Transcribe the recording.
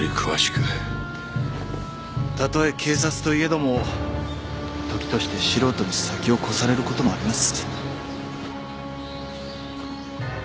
たとえ警察といえども時として素人に先を越されることもあります。